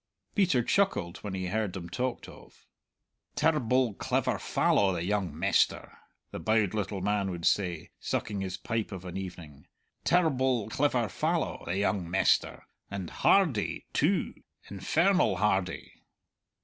Peter chuckled when he heard them talked of. "Terr'ble clever fallow, the young mester!" the bowed little man would say, sucking his pipe of an evening, "terr'ble clever fallow, the young mester; and hardy, too infernal hardy!"